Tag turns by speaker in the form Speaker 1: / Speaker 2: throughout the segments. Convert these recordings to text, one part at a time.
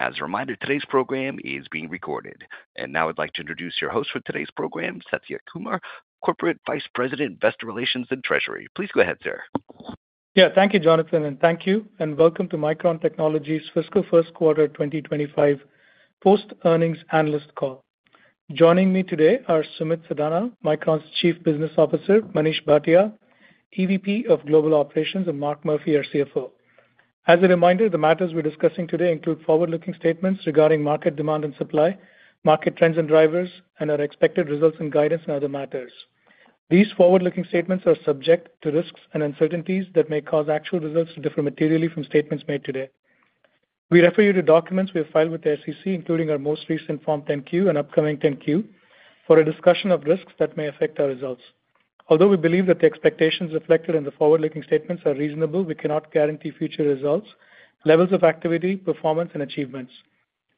Speaker 1: As a reminder, today's program is being recorded, and now I'd like to introduce your host for today's program, Satya Kumar, Corporate Vice President, Investor Relations and Treasury. Please go ahead, sir.
Speaker 2: Yeah, thank you, Jonathan, and thank you and welcome to Micron Technology's Fiscal First Quarter 2025 Post-Earnings Analyst Call. Joining me today are Sumit Sadana, Micron's Chief Business Officer, Manish Bhatia, EVP of Global Operations, and Mark Murphy, our CFO. As a reminder, the matters we're discussing today include forward-looking statements regarding market demand and supply, market trends and drivers, and our expected results and guidance in other matters. These forward-looking statements are subject to risks and uncertainties that may cause actual results to differ materially from statements made today. We refer you to documents we have filed with the SEC, including our most recent Form 10-Q and upcoming 10-Q, for a discussion of risks that may affect our results. Although we believe that the expectations reflected in the forward-looking statements are reasonable, we cannot guarantee future results, levels of activity, performance, and achievements.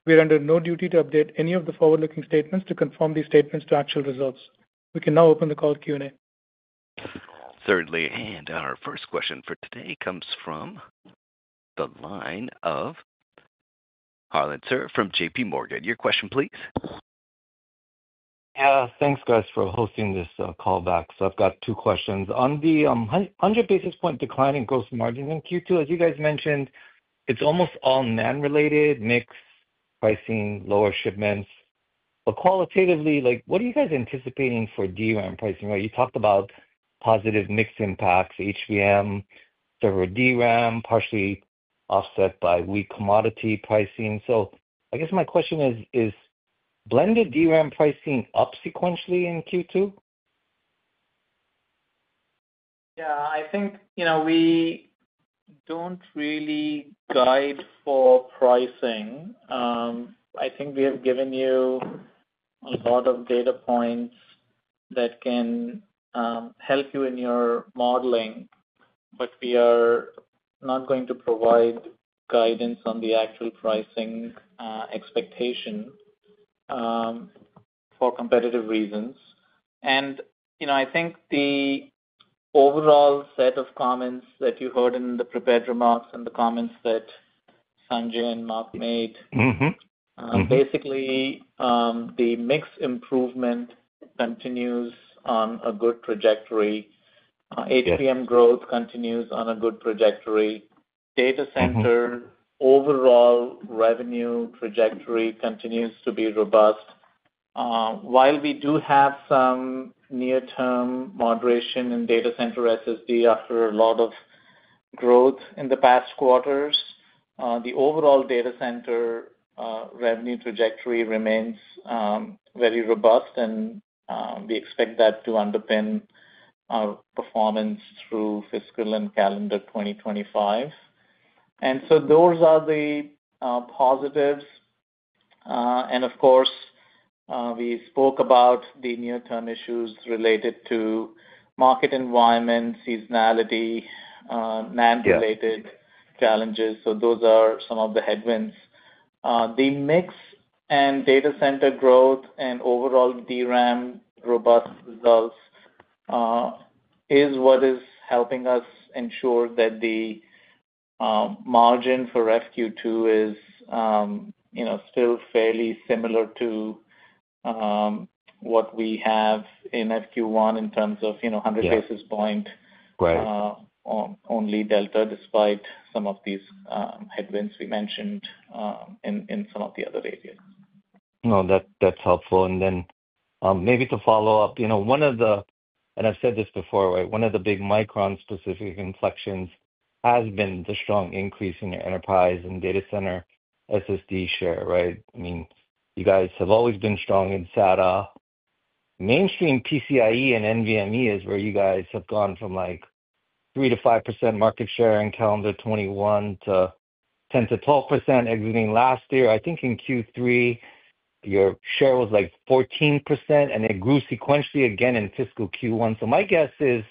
Speaker 2: We are under no duty to update any of the forward-looking statements to conform these statements to actual results. We can now open the call to Q&A.
Speaker 1: Thirdly, and our first question for today comes from the line of Harlan Sur from JPMorgan. Your question, please.
Speaker 3: Yeah, thanks, guys, for hosting this call back. So I've got two questions. On the 100 basis points decline in gross margins in Q2, as you guys mentioned, it's almost all NAND-related, mixed pricing, lower shipments. But qualitatively, what are you guys anticipating for DRAM pricing? You talked about positive mixed impacts, HBM, server DRAM, partially offset by weak commodity pricing. So I guess my question is, is blended DRAM pricing up sequentially in Q2?
Speaker 4: Yeah, I think we don't really guide for pricing. I think we have given you a lot of data points that can help you in your modeling, but we are not going to provide guidance on the actual pricing expectation for competitive reasons. And I think the overall set of comments that you heard in the prepared remarks and the comments that Sanjay and Mark made, basically, the mix improvement continues on a good trajectory. HBM growth continues on a good trajectory. Data center overall revenue trajectory continues to be robust. While we do have some near-term moderation in data center SSD after a lot of growth in the past quarters, the overall data center revenue trajectory remains very robust, and we expect that to underpin our performance through fiscal and calendar 2025. And so those are the positives. And of course, we spoke about the near-term issues related to market environment, seasonality, NAND-related challenges. So those are some of the headwinds. The mix and data center growth and overall DRAM robust results is what is helping us ensure that the margin for FQ2 is still fairly similar to what we have in FQ1 in terms of 100 basis point only delta, despite some of these headwinds we mentioned in some of the other areas.
Speaker 3: No, that's helpful. And then maybe to follow up, one of the, and I've said this before, right, one of the big Micron-specific inflections has been the strong increase in your enterprise and data center SSD share, right? I mean, you guys have always been strong in SATA. Mainstream PCIe and NVMe is where you guys have gone from like 3%-5% market share in calendar 2021 to 10%-12% exiting last year. I think in Q3, your share was like 14%, and it grew sequentially again in fiscal Q1. So my guess is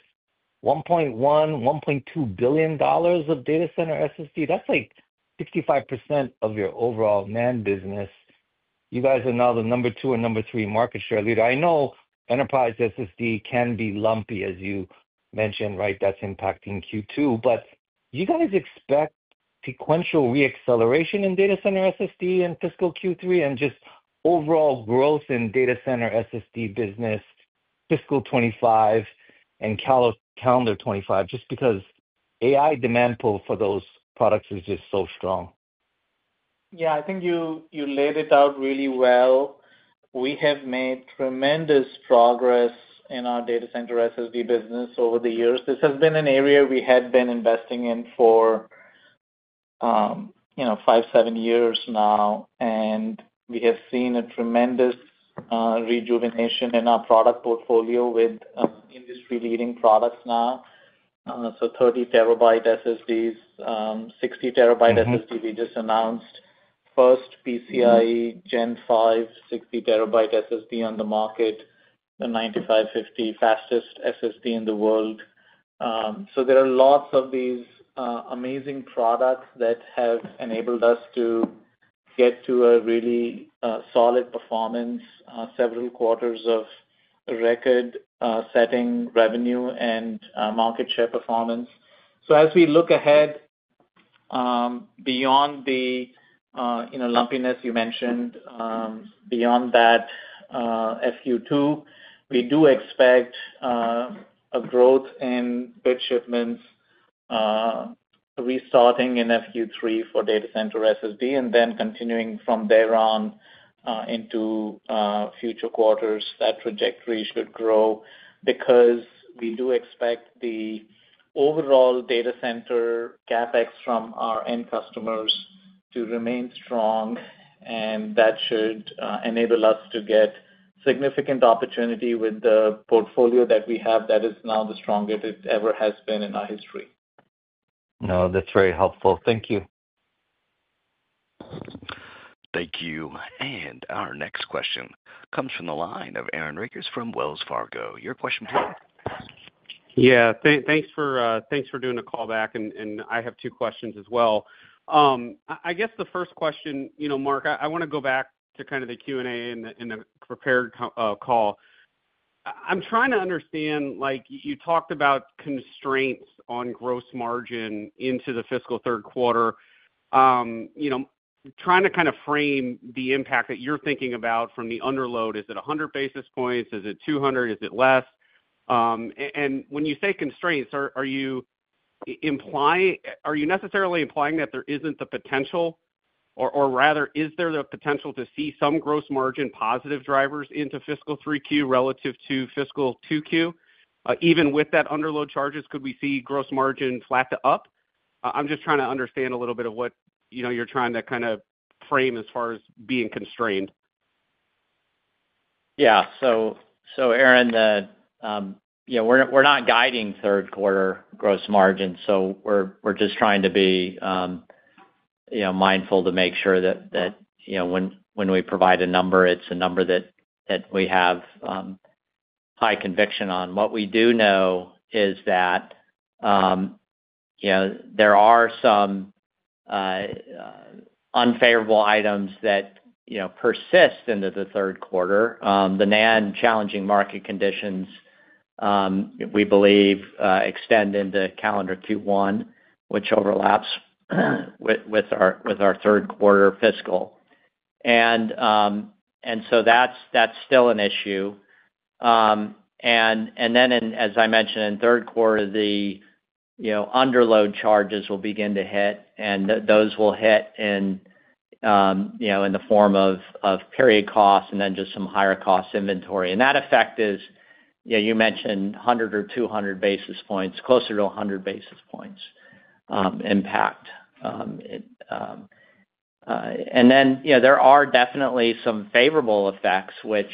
Speaker 3: $1.1-$1.2 billion of data center SSD, that's like 65% of your overall NAND business. You guys are now the number two or number three market share leader. I know enterprise SSD can be lumpy, as you mentioned, right? That's impacting Q2. But do you guys expect sequential re-acceleration in data center SSD in fiscal Q3 and just overall growth in data center SSD business fiscal 2025 and calendar 2025, just because AI demand pull for those products is just so strong?
Speaker 4: Yeah, I think you laid it out really well. We have made tremendous progress in our data center SSD business over the years. This has been an area we had been investing in for five, seven years now, and we have seen a tremendous rejuvenation in our product portfolio with industry-leading products now. So 30 terabyte SSDs, 60 terabyte SSD we just announced, first PCIe Gen 5 60 terabyte SSD on the market, the 9550 fastest SSD in the world. So there are lots of these amazing products that have enabled us to get to a really solid performance, several quarters of record setting revenue and market share performance. So as we look ahead beyond the lumpiness you mentioned, beyond that FQ2, we do expect a growth in bit shipments, restarting in FQ3 for data center SSD, and then continuing from there on into future quarters. That trajectory should grow because we do expect the overall data center CapEx from our end customers to remain strong, and that should enable us to get significant opportunity with the portfolio that we have that is now the strongest it ever has been in our history.
Speaker 3: No, that's very helpful. Thank you.
Speaker 1: Thank you. And our next question comes from the line of Aaron Rakers from Wells Fargo. Your question, please.
Speaker 5: Yeah, thanks for doing a call back, and I have two questions as well. I guess the first question, Mark. I want to go back to kind of the Q&A in the prepared call. I'm trying to understand. You talked about constraints on gross margin into the fiscal third quarter. Trying to kind of frame the impact that you're thinking about from the underload, is it 100 basis points? Is it 200? Is it less? And when you say constraints, are you necessarily implying that there isn't the potential, or rather, is there the potential to see some gross margin positive drivers into fiscal 3Q relative to fiscal 2Q? Even with that underload charges, could we see gross margin flat to up? I'm just trying to understand a little bit of what you're trying to kind of frame as far as being constrained.
Speaker 6: Yeah. So, Aaron, we're not guiding third quarter gross margins. So we're just trying to be mindful to make sure that when we provide a number, it's a number that we have high conviction on. What we do know is that there are some unfavorable items that persist into the third quarter. The NAND challenging market conditions, we believe, extend into calendar Q1, which overlaps with our third quarter fiscal. And so that's still an issue. And then, as I mentioned, in third quarter, the underload charges will begin to hit, and those will hit in the form of period costs and then just some higher cost inventory. And that effect is, you mentioned 100 or 200 basis points, closer to 100 basis points impact. And then there are definitely some favorable effects, which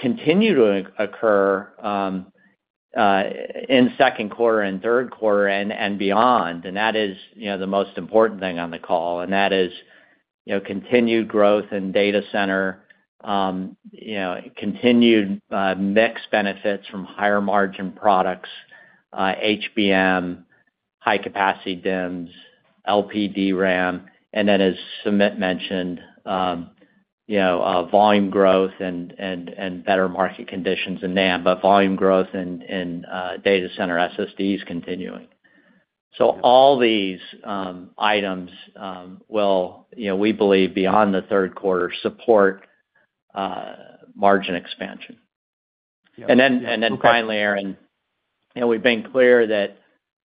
Speaker 6: continue to occur in second quarter and third quarter and beyond. That is the most important thing on the call. That is continued growth in data center, continued mix benefits from higher margin products, HBM, high-capacity DIMMs, LPDRAM. Then, as Sumit mentioned, volume growth and better market conditions in NAND, but volume growth in data center SSDs continuing. So all these items will, we believe, beyond the third quarter, support margin expansion. Then finally, Aaron, we've been clear that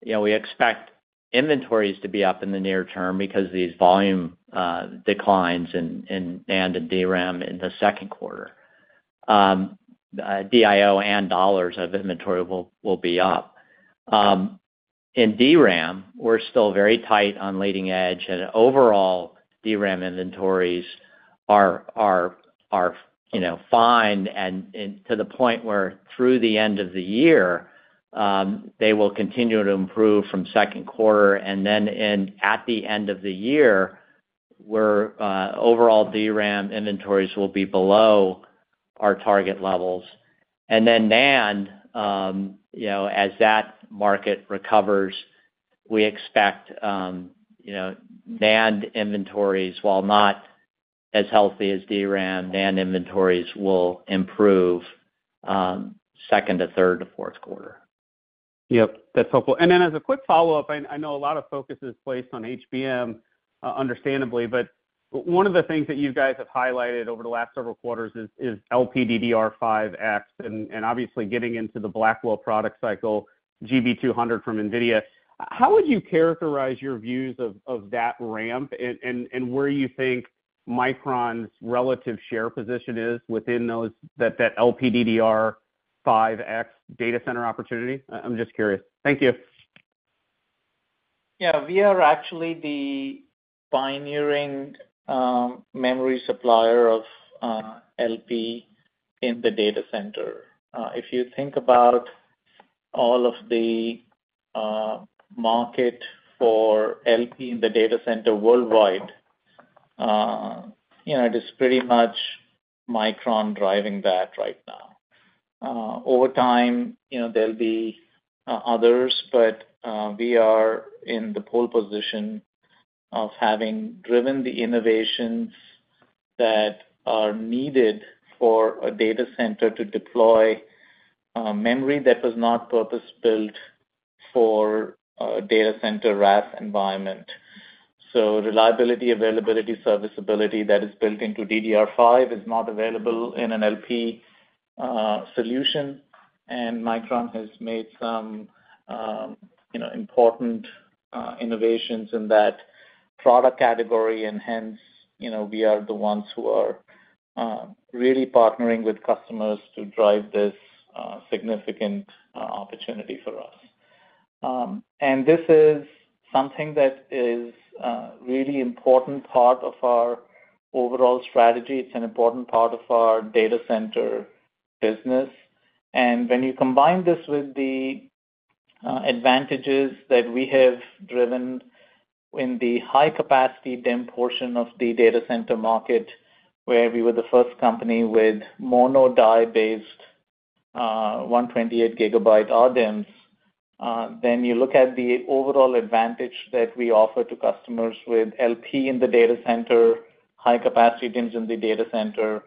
Speaker 6: we expect inventories to be up in the near term because of these volume declines in NAND and DRAM in the second quarter. DIO and dollars of inventory will be up. In DRAM, we're still very tight on leading edge, and overall DRAM inventories are fine and to the point where through the end of the year, they will continue to improve from second quarter. And then at the end of the year, overall DRAM inventories will be below our target levels. And then NAND, as that market recovers, we expect NAND inventories, while not as healthy as DRAM, NAND inventories will improve second to third to fourth quarter.
Speaker 5: Yep, that's helpful, and then as a quick follow-up, I know a lot of focus is placed on HBM, understandably, but one of the things that you guys have highlighted over the last several quarters is LPDDR5X and obviously getting into the Blackwell product cycle, GB200 from NVIDIA. How would you characterize your views of that ramp and where you think Micron's relative share position is within that LPDDR5X data center opportunity? I'm just curious. Thank you.
Speaker 4: Yeah, we are actually the pioneering memory supplier of LP in the data center. If you think about all of the market for LP in the data center worldwide, it is pretty much Micron driving that right now. Over time, there'll be others, but we are in the pole position of having driven the innovations that are needed for a data center to deploy memory that was not purpose-built for a data center RAS environment, so reliability, availability, serviceability that is built into DDR5 is not available in an LP solution, and Micron has made some important innovations in that product category, and hence we are the ones who are really partnering with customers to drive this significant opportunity for us, and this is something that is a really important part of our overall strategy. It's an important part of our data center business. And when you combine this with the advantages that we have driven in the high-capacity DIMM portion of the data center market, where we were the first company with mono-die-based 128 gigabyte RDIMMs, then you look at the overall advantage that we offer to customers with LP in the data center, high-capacity DIMMs in the data center.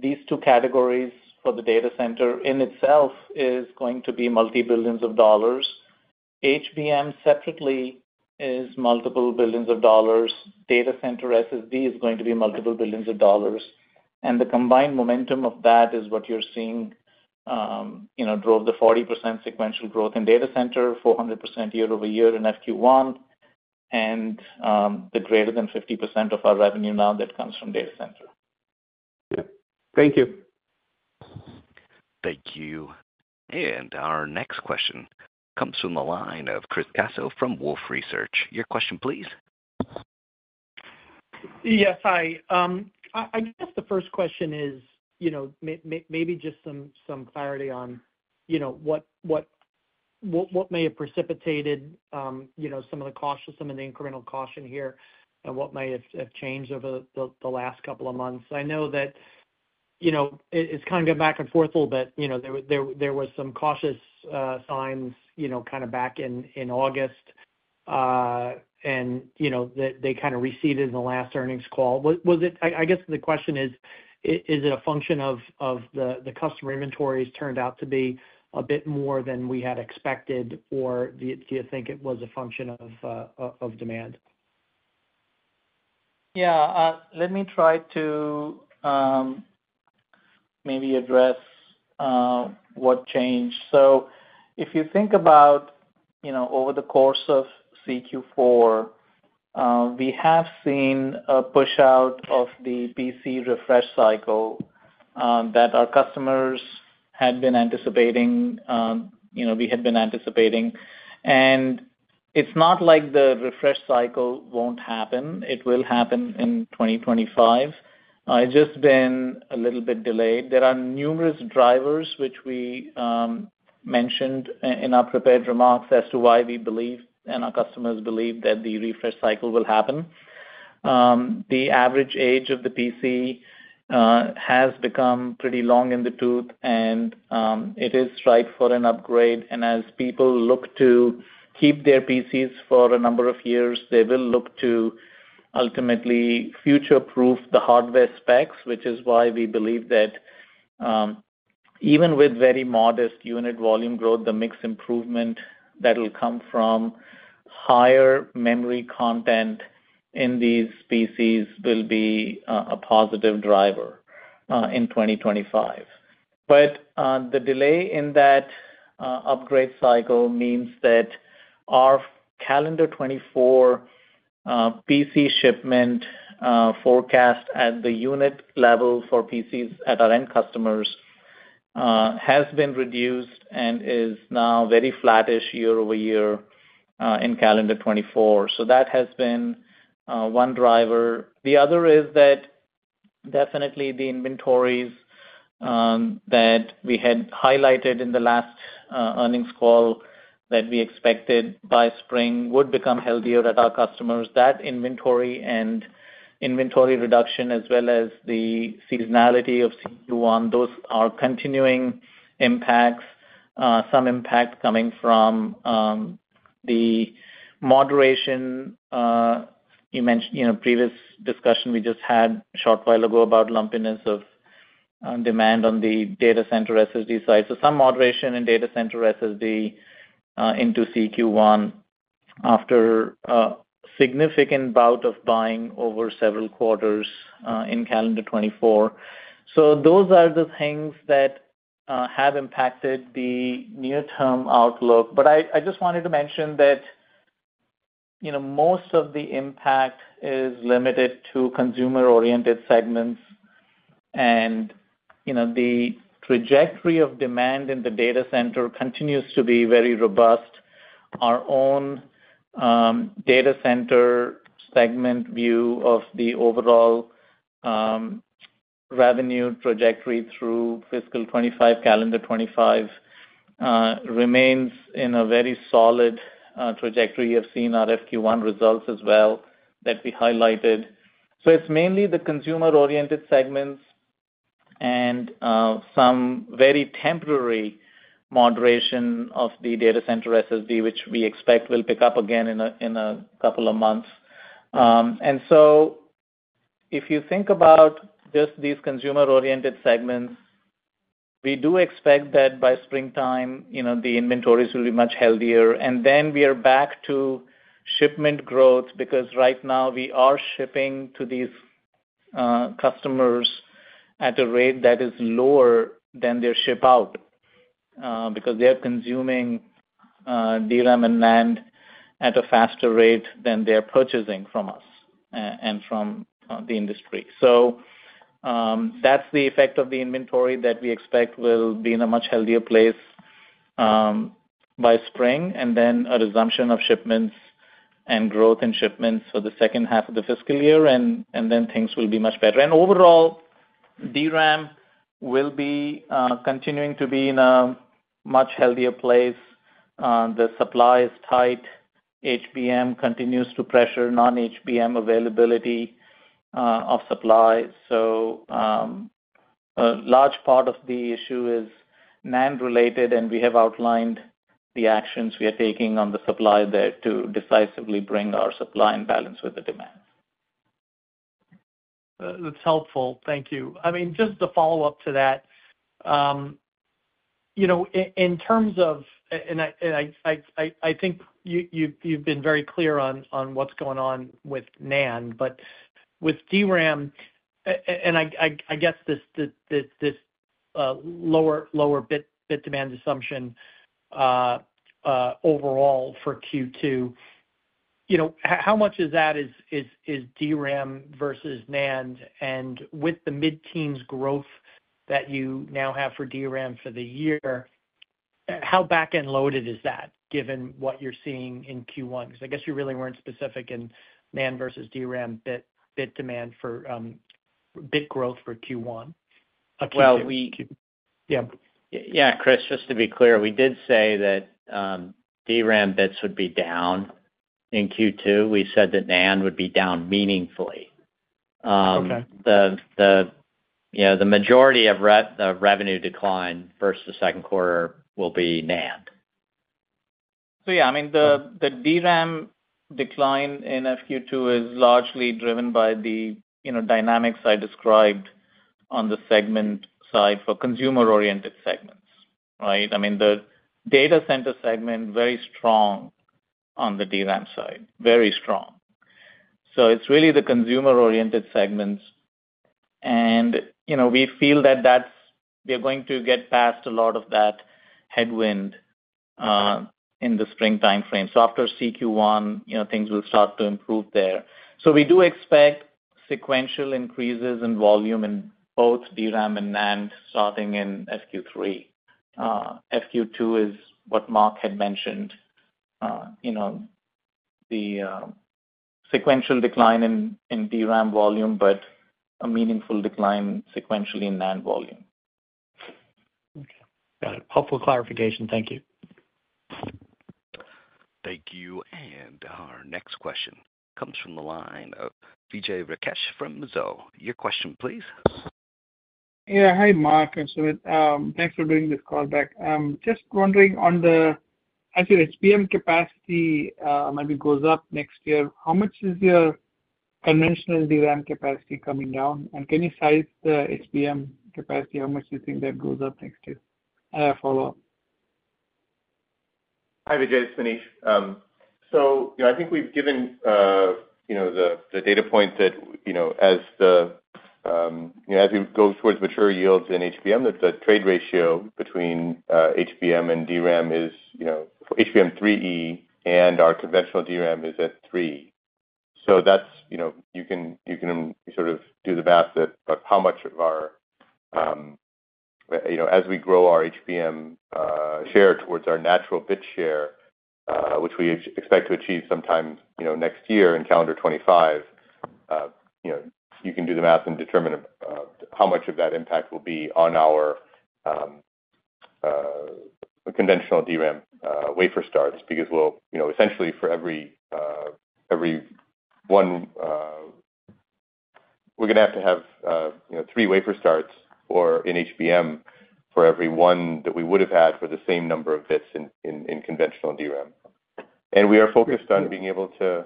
Speaker 4: These two categories for the data center in itself is going to be multi-billions of dollars. HBM separately is multiple billions of dollars. Data center SSD is going to be multiple billions of dollars. And the combined momentum of that is what you're seeing drove the 40% sequential growth in data center, 400% year over year in FQ1, and the greater than 50% of our revenue now that comes from data center.
Speaker 5: Yeah. Thank you.
Speaker 1: Thank you. And our next question comes from the line of Chris Caso from Wolfe Research. Your question, please.
Speaker 7: Yes, hi. I guess the first question is maybe just some clarity on what may have precipitated some of the caution, some of the incremental caution here, and what may have changed over the last couple of months. I know that it's kind of been back and forth a little bit. There were some cautious signs kind of back in August, and they kind of receded in the last earnings call. I guess the question is, is it a function of the customer inventories turned out to be a bit more than we had expected, or do you think it was a function of demand?
Speaker 4: Yeah, let me try to maybe address what changed. So if you think about over the course of Q4, we have seen a push-out of the PC refresh cycle that our customers had been anticipating. We had been anticipating. And it's not like the refresh cycle won't happen. It will happen in 2025. It's just been a little bit delayed. There are numerous drivers, which we mentioned in our prepared remarks as to why we believe and our customers believe that the refresh cycle will happen. The average age of the PC has become pretty long in the tooth, and it is ripe for an upgrade. As people look to keep their PCs for a number of years, they will look to ultimately future-proof the hardware specs, which is why we believe that even with very modest unit volume growth, the mix improvement that will come from higher memory content in these PCs will be a positive driver in 2025. But the delay in that upgrade cycle means that our calendar 2024 PC shipment forecast at the unit level for PCs at our end customers has been reduced and is now very flattish year over year in calendar 2024. So that has been one driver. The other is that definitely the inventories that we had highlighted in the last earnings call that we expected by spring would become healthier at our customers. That inventory and inventory reduction, as well as the seasonality of Q1, those are continuing impacts. Some impact coming from the moderation. You mentioned the previous discussion we just had a short while ago about lumpiness of demand on the data center SSD side. So some moderation in data center SSD into CQ1 after a significant bout of buying over several quarters in calendar 2024. So those are the things that have impacted the near-term outlook. But I just wanted to mention that most of the impact is limited to consumer-oriented segments, and the trajectory of demand in the data center continues to be very robust. Our own data center segment view of the overall revenue trajectory through fiscal 2025, calendar 2025, remains in a very solid trajectory. You have seen our FQ1 results as well that we highlighted. So it's mainly the consumer-oriented segments and some very temporary moderation of the data center SSD, which we expect will pick up again in a couple of months. And so if you think about just these consumer-oriented segments, we do expect that by springtime, the inventories will be much healthier. And then we are back to shipment growth because right now we are shipping to these customers at a rate that is lower than their ship out because they are consuming DRAM and NAND at a faster rate than they are purchasing from us and from the industry. So that's the effect of the inventory that we expect will be in a much healthier place by spring, and then a resumption of shipments and growth in shipments for the second half of the fiscal year, and then things will be much better. And overall, DRAM will be continuing to be in a much healthier place. The supply is tight. HBM continues to pressure non-HBM availability of supply. A large part of the issue is NAND-related, and we have outlined the actions we are taking on the supply there to decisively bring our supply and balance with the demand.
Speaker 7: That's helpful. Thank you. I mean, just to follow up to that, in terms of, and I think you've been very clear on what's going on with NAND, but with DRAM, and I guess this lower bit demand assumption overall for Q2, how much of that is DRAM versus NAND? And with the mid-teens growth that you now have for DRAM for the year, how back-end loaded is that given what you're seeing in Q1? Because I guess you really weren't specific in NAND versus DRAM bit demand for bit growth for Q1.
Speaker 6: We, yeah, Chris, just to be clear, we did say that DRAM bits would be down in Q2. We said that NAND would be down meaningfully. The majority of revenue decline versus the second quarter will be NAND.
Speaker 4: So yeah, I mean, the DRAM decline in FQ2 is largely driven by the dynamics I described on the segment side for consumer-oriented segments, right? I mean, the data center segment is very strong on the DRAM side, very strong. So it's really the consumer-oriented segments. And we feel that we are going to get past a lot of that headwind in the spring timeframe. So after CQ1, things will start to improve there. So we do expect sequential increases in volume in both DRAM and NAND starting in FQ3. FQ2 is what Mark had mentioned, the sequential decline in DRAM volume, but a meaningful decline sequentially in NAND volume.
Speaker 7: Got it. Helpful clarification. Thank you.
Speaker 1: Thank you. And our next question comes from the line of Vijay Rakesh from Mizuho. Your question, please.
Speaker 8: Yeah. Hi, Mark. Thanks for doing this callback. Just wondering on the—I see HBM capacity maybe goes up next year. How much is your conventional DRAM capacity coming down? And can you size the HBM capacity? How much do you think that goes up next year? I have a follow-up.
Speaker 9: Hi, Vijay. This is Manish. So I think we've given the data point that as we go towards mature yields in HBM, that the trade ratio between HBM and DRAM is HBM3E and our conventional DRAM is at 3E. So you can sort of do the math of how much of our—as we grow our HBM share towards our natural bit share, which we expect to achieve sometime next year in calendar 2025, you can do the math and determine how much of that impact will be on our conventional DRAM wafer starts because essentially for every one we're going to have to have three wafer starts in HBM for every one that we would have had for the same number of bits in conventional DRAM. And we are focused on being able to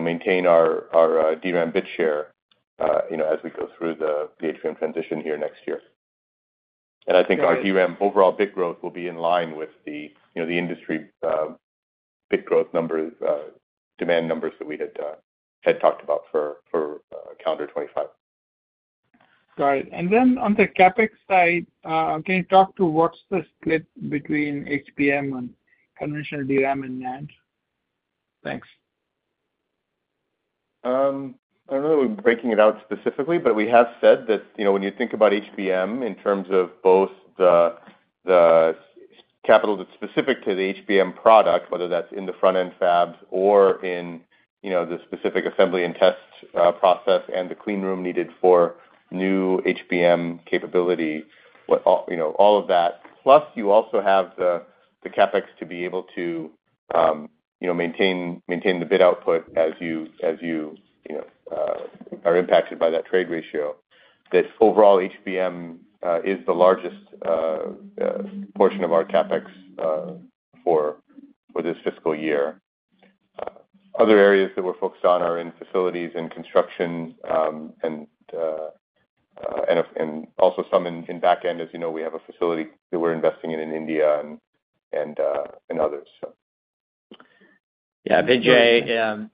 Speaker 9: maintain our DRAM bit share as we go through the HBM transition here next year. I think our DRAM overall bit growth will be in line with the industry bit growth demand numbers that we had talked about for calendar 2025.
Speaker 8: Got it. And then on the CapEx side, can you talk to what's the split between HBM and conventional DRAM and NAND? Thanks.
Speaker 9: I don't know that we're breaking it out specifically, but we have said that when you think about HBM in terms of both the capital that's specific to the HBM product, whether that's in the front-end fabs or in the specific assembly and test process and the clean room needed for new HBM capability, all of that. Plus, you also have the CapEx to be able to maintain the bit output as you are impacted by that trade ratio. Overall, HBM is the largest portion of our CapEx for this fiscal year. Other areas that we're focused on are in facilities and construction and also some in back-end. As you know, we have a facility that we're investing in India and others.
Speaker 6: Yeah. Vijay,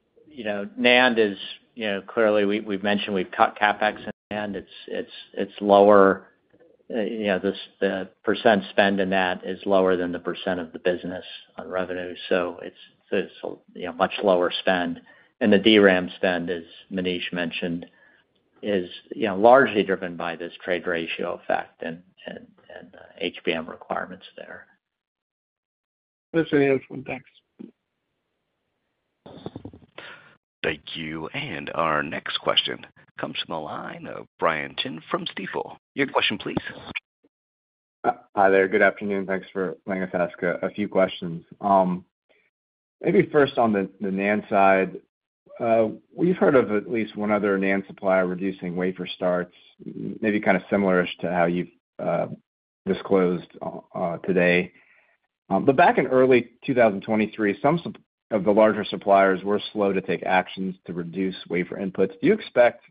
Speaker 6: NAND is clearly. We've mentioned we've cut CapEx and NAND. It's lower. The % spend in that is lower than the % of the business on revenue. So it's a much lower spend. And the DRAM spend, as Manish mentioned, is largely driven by this trade ratio effect and HBM requirements there.
Speaker 8: That's an interesting one. Thanks.
Speaker 1: Thank you. And our next question comes from the line of Brian Chin from Stifel. Your question, please.
Speaker 10: Hi there. Good afternoon. Thanks for letting us ask a few questions. Maybe first on the NAND side, we've heard of at least one other NAND supplier reducing wafer starts, maybe kind of similar to how you've disclosed today. But back in early 2023, some of the larger suppliers were slow to take actions to reduce wafer inputs. Do you expect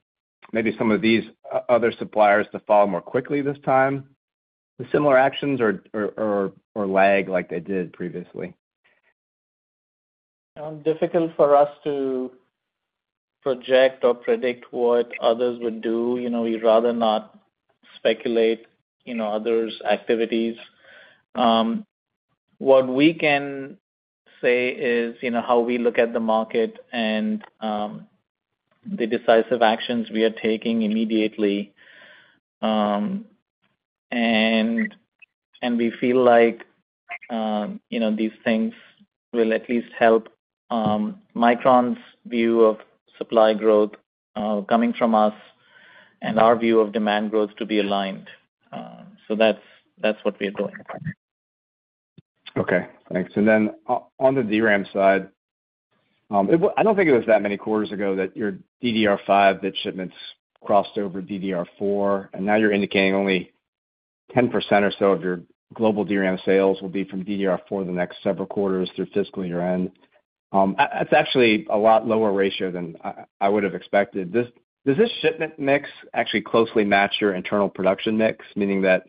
Speaker 10: maybe some of these other suppliers to fall more quickly this time with similar actions or lag like they did previously?
Speaker 4: Difficult for us to project or predict what others would do. We'd rather not speculate others' activities. What we can say is how we look at the market and the decisive actions we are taking immediately, and we feel like these things will at least help Micron's view of supply growth coming from us and our view of demand growth to be aligned, so that's what we are doing.
Speaker 10: Okay. Thanks. And then on the DRAM side, I don't think it was that many quarters ago that your DDR5 bit shipments crossed over DDR4. And now you're indicating only 10% or so of your global DRAM sales will be from DDR4 the next several quarters through fiscal year end. That's actually a lot lower ratio than I would have expected. Does this shipment mix actually closely match your internal production mix, meaning that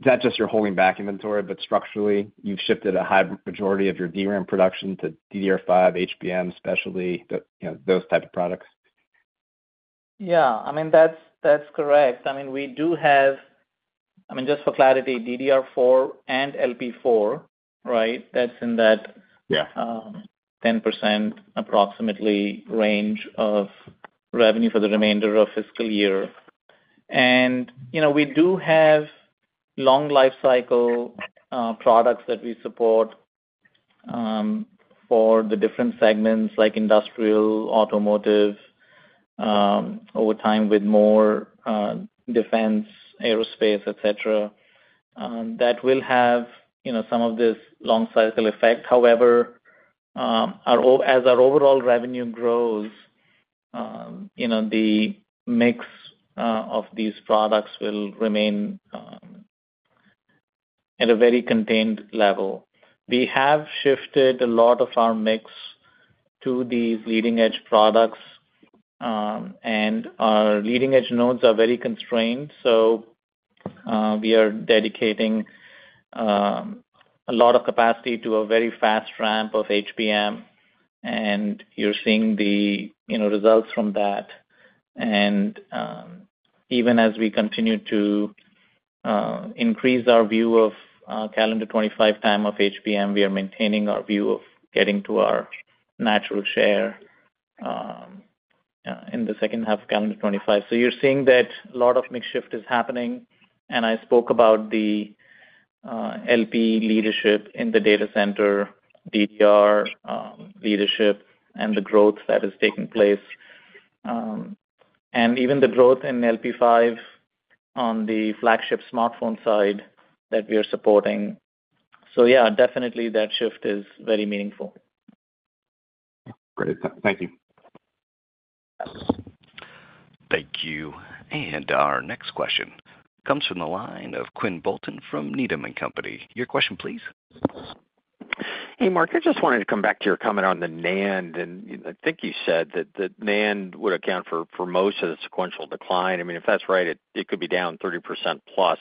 Speaker 10: it's not just you're holding back inventory, but structurally you've shifted a high majority of your DRAM production to DDR5, HBM, specialty, those types of products?
Speaker 4: Yeah. I mean, that's correct. I mean, we do have—I mean, just for clarity, DDR4 and LP4, right? That's in that 10% approximately range of revenue for the remainder of fiscal year. And we do have long life cycle products that we support for the different segments like industrial, automotive, over time with more defense, aerospace, etc. That will have some of this long cycle effect. However, as our overall revenue grows, the mix of these products will remain at a very contained level. We have shifted a lot of our mix to these leading-edge products. And our leading-edge nodes are very constrained. So we are dedicating a lot of capacity to a very fast ramp of HBM. And you're seeing the results from that. And even as we continue to increase our view of calendar 2025 timing of HBM, we are maintaining our view of getting to our natural share in the second half of calendar 2025. So you're seeing that a lot of mix shift is happening. And I spoke about the LP leadership in the data center, DDR leadership, and the growth that is taking place. And even the growth in LP5 on the flagship smartphone side that we are supporting. So yeah, definitely that shift is very meaningful.
Speaker 10: Great. Thank you.
Speaker 1: Thank you. And our next question comes from the line of Quinn Bolton from Needham & Company. Your question, please.
Speaker 11: Hey, Mark. I just wanted to come back to your comment on the NAND. And I think you said that the NAND would account for most of the sequential decline. I mean, if that's right, it could be down 30% plus.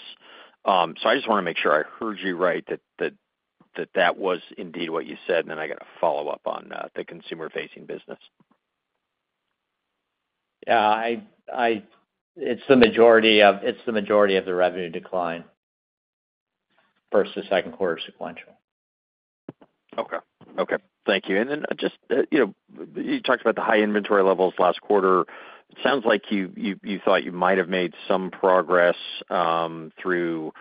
Speaker 11: So I just want to make sure I heard you right, that that was indeed what you said. And then I got a follow-up on the consumer-facing business.
Speaker 6: Yeah. It's the majority of the revenue decline versus second quarter sequential.
Speaker 11: Okay. Okay. Thank you. And then just you talked about the high inventory levels last quarter. It sounds like you thought you might have made some progress through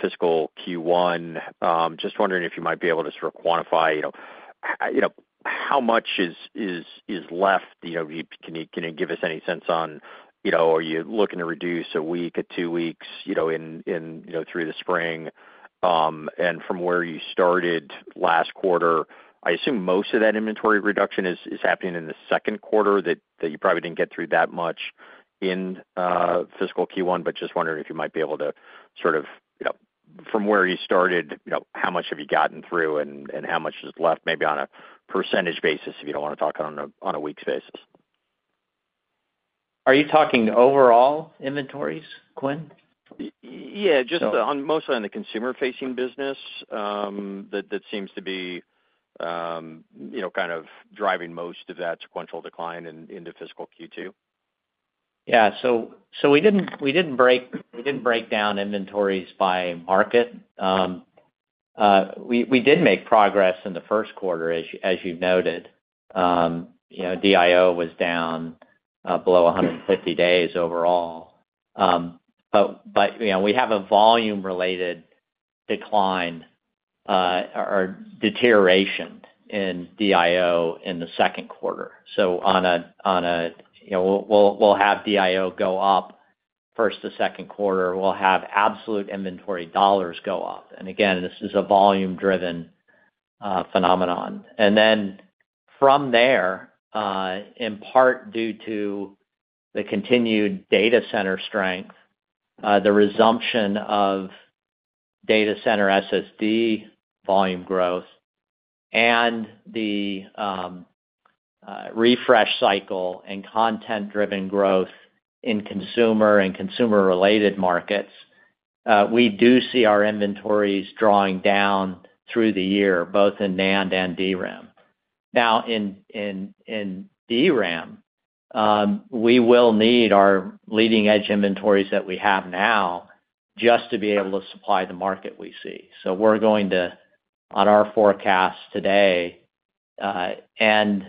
Speaker 11: fiscal Q1. Just wondering if you might be able to sort of quantify how much is left. Can you give us any sense on are you looking to reduce a week or two weeks through the spring? And from where you started last quarter, I assume most of that inventory reduction is happening in the second quarter, that you probably didn't get through that much in fiscal Q1. But just wondering if you might be able to sort of from where you started, how much have you gotten through and how much is left maybe on a percentage basis if you don't want to talk on a week's basis?
Speaker 6: Are you talking overall inventories, Quinn?
Speaker 11: Yeah. Just mostly on the consumer-facing business that seems to be kind of driving most of that sequential decline into fiscal Q2.
Speaker 6: Yeah. So we didn't break down inventories by market. We did make progress in the first quarter, as you've noted. DIO was down below 150 days overall. But we have a volume-related decline or deterioration in DIO in the second quarter. So on a we'll have DIO go up first to second quarter. We'll have absolute inventory dollars go up. And again, this is a volume-driven phenomenon. And then from there, in part due to the continued data center strength, the resumption of data center SSD volume growth, and the refresh cycle and content-driven growth in consumer and consumer-related markets, we do see our inventories drawing down through the year, both in NAND and DRAM. Now, in DRAM, we will need our leading-edge inventories that we have now just to be able to supply the market we see. We're going to, on our forecast today, end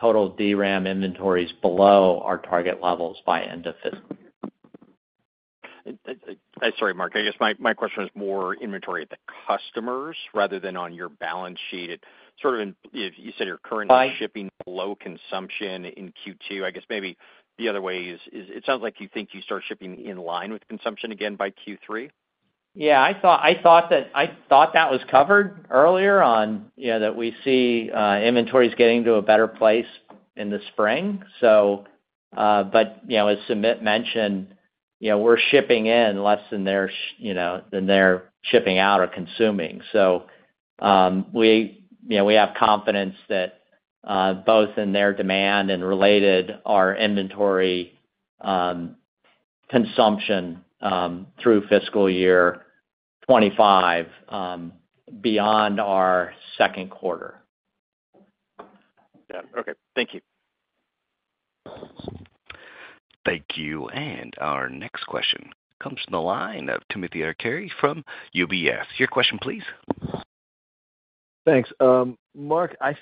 Speaker 6: total DRAM inventories below our target levels by end of fiscal.
Speaker 11: Sorry, Mark. I guess my question is more inventory at the customers rather than on your balance sheet. Sort of, you said your current shipping low consumption in Q2. I guess maybe the other way is it sounds like you think you start shipping in line with consumption again by Q3?
Speaker 6: Yeah. I thought that was covered earlier on that we see inventories getting to a better place in the spring. But as Sumit mentioned, we're shipping less than they're shipping out or consuming. So we have confidence that both in their demand and related our inventory consumption through fiscal year 2025 beyond our second quarter.
Speaker 11: Yeah. Okay. Thank you.
Speaker 1: Thank you. And our next question comes from the line of Timothy Arcuri from UBS. Your question, please.
Speaker 12: Thanks. Mark, I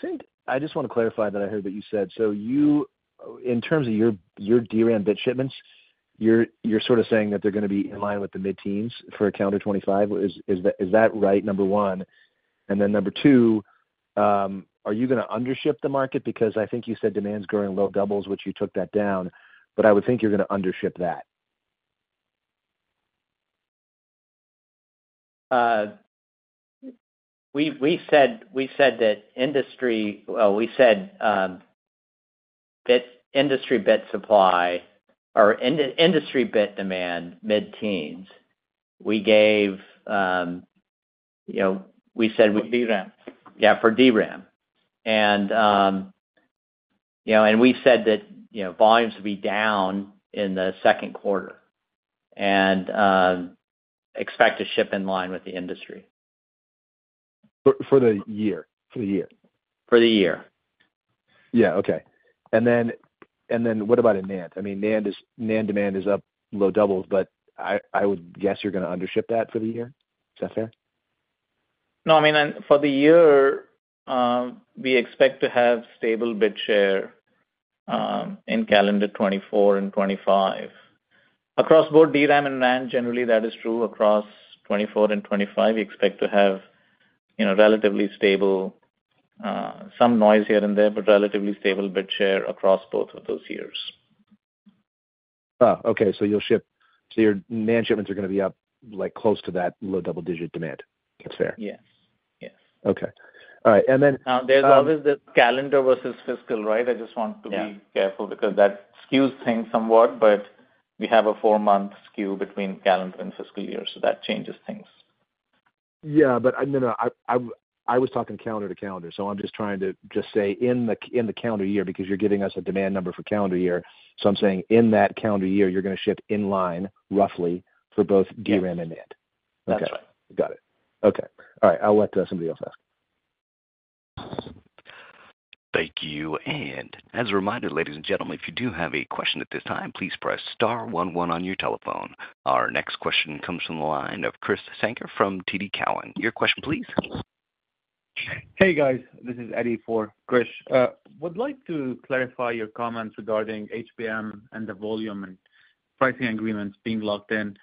Speaker 12: just want to clarify that I heard what you said. So in terms of your DRAM bit shipments, you're sort of saying that they're going to be in line with the mid-teens for calendar 2025. Is that right, number one? And then number two, are you going to undership the market? Because I think you said demand's growing low doubles, which you took that down. But I would think you're going to undership that.
Speaker 6: We said that industry, well, industry bit supply or industry bit demand mid-teens. We gave. We said.
Speaker 12: For DRAM.
Speaker 6: Yeah, for DRAM. And we said that volumes will be down in the second quarter and expect to ship in line with the industry.
Speaker 12: For the year. For the year.
Speaker 6: For the year.
Speaker 12: Yeah. Okay. And then what about in NAND? I mean, NAND demand is up low doubles, but I would guess you're going to under-ship that for the year. Is that fair?
Speaker 4: No. I mean, for the year, we expect to have stable bit share in calendar 2024 and 2025. Across both DRAM and NAND, generally, that is true. Across 2024 and 2025, we expect to have relatively stable some noise here and there, but relatively stable bit share across both of those years.
Speaker 12: Okay, so your NAND shipments are going to be up close to that low double-digit demand. That's fair.
Speaker 4: Yes. Yes.
Speaker 12: Okay. All right. And then.
Speaker 4: Now, there's always the calendar versus fiscal, right? I just want to be careful because that skews things somewhat. But we have a four-month skew between calendar and fiscal year. So that changes things.
Speaker 12: Yeah. But no, no. I was talking calendar to calendar. So I'm just trying to just say in the calendar year because you're giving us a demand number for calendar year. So I'm saying in that calendar year, you're going to ship in line, roughly, for both DRAM and NAND.
Speaker 4: That's right.
Speaker 12: Okay. Got it. Okay. All right. I'll let somebody else ask.
Speaker 1: Thank you. And as a reminder, ladies and gentlemen, if you do have a question at this time, please press star 11 on your telephone. Our next question comes from the line of Krish Sankar from TD Cowen. Your question, please.
Speaker 13: Hey, guys. This is Eddie for Krish. Would like to clarify your comments regarding HBM and the volume and pricing agreements being locked in.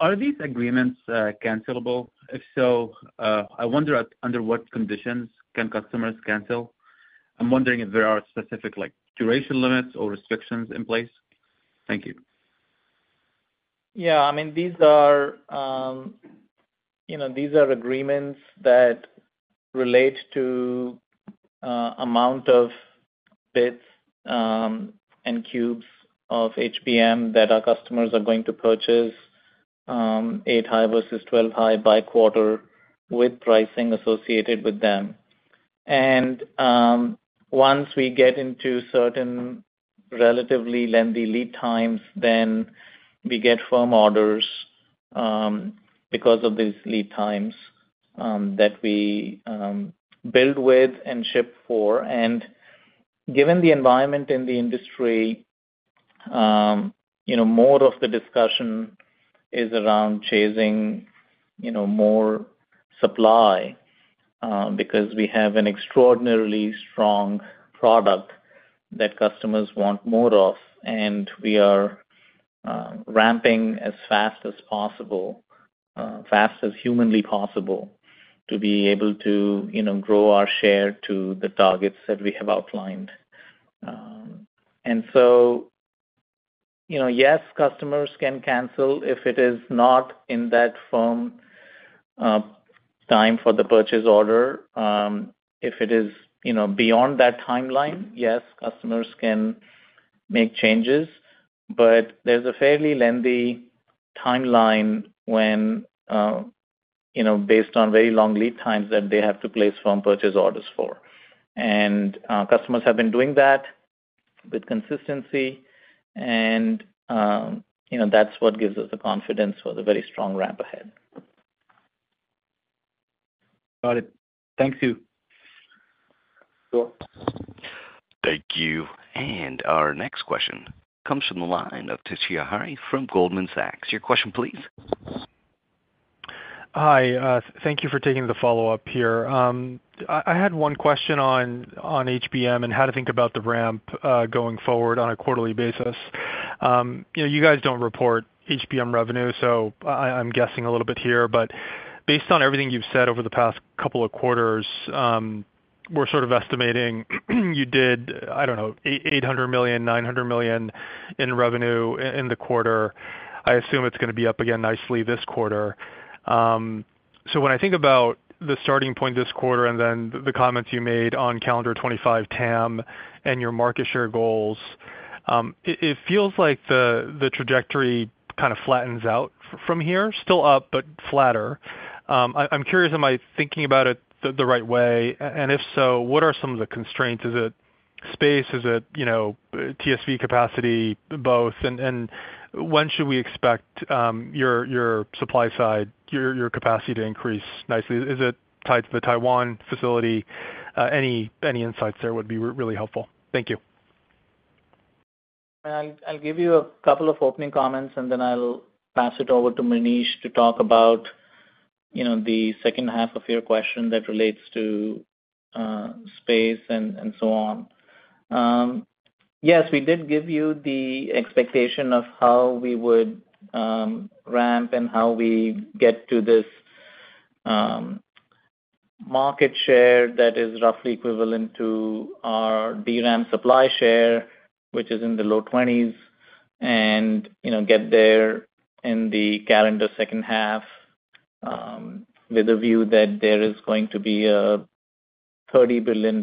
Speaker 13: Are these agreements cancelable? If so, I wonder under what conditions can customers cancel? I'm wondering if there are specific duration limits or restrictions in place. Thank you.
Speaker 4: Yeah. I mean, these are agreements that relate to amount of bits and cubes of HBM that our customers are going to purchase, 8 high versus 12 high by quarter with pricing associated with them, and once we get into certain relatively lengthy lead times, then we get firm orders because of these lead times that we build with and ship for, and given the environment in the industry, more of the discussion is around chasing more supply because we have an extraordinarily strong product that customers want more of, and we are ramping as fast as possible, fast as humanly possible, to be able to grow our share to the targets that we have outlined, and so, yes, customers can cancel if it is not in that firm time for the purchase order. If it is beyond that timeline, yes, customers can make changes. But there's a fairly lengthy timeline based on very long lead times that they have to place firm purchase orders for. And customers have been doing that with consistency. And that's what gives us the confidence for the very strong ramp ahead.
Speaker 14: Got it. Thank you. Cool.
Speaker 1: Thank you. And our next question comes from the line of Toshiya Hari from Goldman Sachs. Your question, please.
Speaker 15: Hi. Thank you for taking the follow-up here. I had one question on HBM and how to think about the ramp going forward on a quarterly basis. You guys don't report HBM revenue, so I'm guessing a little bit here. But based on everything you've said over the past couple of quarters, we're sort of estimating you did, I don't know, $800 million-$900 million in revenue in the quarter. I assume it's going to be up again nicely this quarter. So when I think about the starting point this quarter and then the comments you made on calendar 2025 TAM and your market share goals, it feels like the trajectory kind of flattens out from here. Still up, but flatter. I'm curious, am I thinking about it the right way? And if so, what are some of the constraints? Is it space? Is it TSV capacity, both? When should we expect your supply side, your capacity to increase nicely? Is it tied to the Taiwan facility? Any insights there would be really helpful. Thank you.
Speaker 4: I'll give you a couple of opening comments, and then I'll pass it over to Manish to talk about the second half of your question that relates to space and so on. Yes, we did give you the expectation of how we would ramp and how we get to this market share that is roughly equivalent to our DRAM supply share, which is in the low 20s, and get there in the calendar second half with a view that there is going to be a $30 billion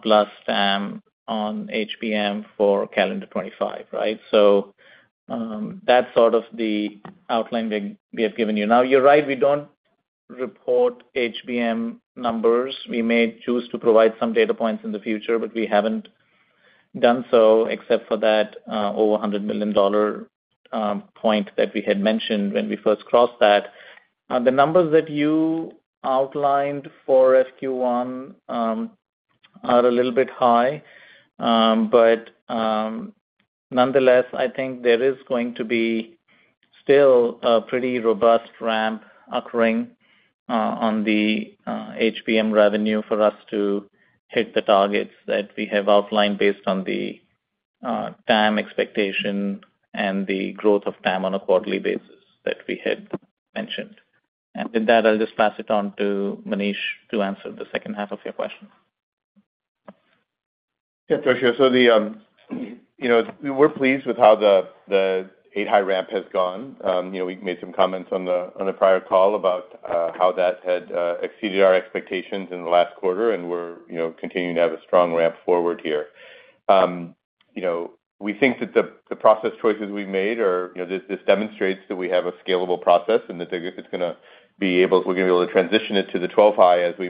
Speaker 4: plus TAM on HBM for calendar 2025, right? So that's sort of the outline we have given you. Now, you're right. We don't report HBM numbers. We may choose to provide some data points in the future, but we haven't done so except for that over $100 million point that we had mentioned when we first crossed that. The numbers that you outlined for FQ1 are a little bit high, but nonetheless, I think there is going to be still a pretty robust ramp occurring on the HBM revenue for us to hit the targets that we have outlined based on the TAM expectation and the growth of TAM on a quarterly basis that we had mentioned, and with that, I'll just pass it on to Manish to answer the second half of your question.
Speaker 9: Yeah, Toshiya. So we're pleased with how the 8 high ramp has gone. We made some comments on the prior call about how that had exceeded our expectations in the last quarter, and we're continuing to have a strong ramp forward here. We think that the process choices we've made are. This demonstrates that we have a scalable process and that it's going to be able to transition it to the 12 high as we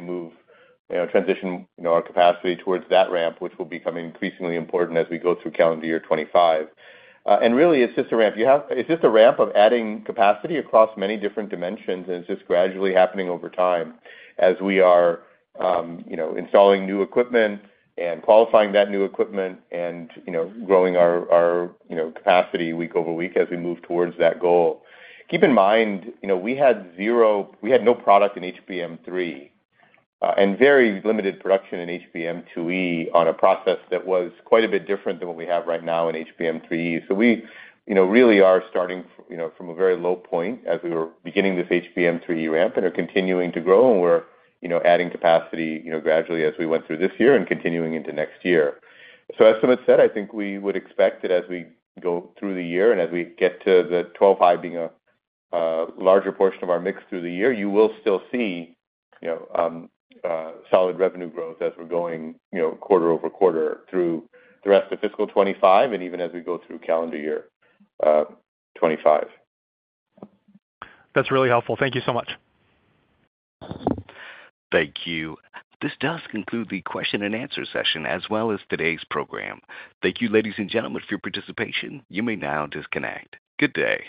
Speaker 9: transition our capacity towards that ramp, which will become increasingly important as we go through calendar year 2025. Really, it's just a ramp. It's just a ramp of adding capacity across many different dimensions, and it's just gradually happening over time as we are installing new equipment and qualifying that new equipment and growing our capacity week over week as we move towards that goal. Keep in mind, we had no product in HBM3 and very limited production in HBM2E on a process that was quite a bit different than what we have right now in HBM3E. So we really are starting from a very low point as we were beginning this HBM3E ramp and are continuing to grow. And we're adding capacity gradually as we went through this year and continuing into next year. So as Sumit said, I think we would expect that as we go through the year and as we get to the 12-high being a larger portion of our mix through the year, you will still see solid revenue growth as we're going quarter over quarter through the rest of fiscal 2025 and even as we go through calendar year 2025.
Speaker 15: That's really helpful. Thank you so much.
Speaker 1: Thank you. This does conclude the question and answer session as well as today's program. Thank you, ladies and gentlemen, for your participation. You may now disconnect. Good day.